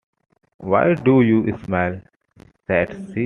“Why do you smile?” said she.